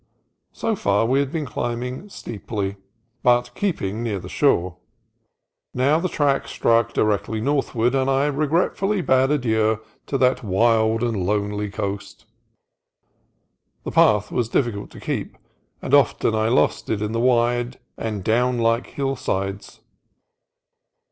So far we had been climbing steeply, but keep ing near the shore. Now the track struck directly northward, and I regretfully bade adieu to that wild and lonely coast. The path was difficult to keep, and often I lost it on the wide and down like hillsides.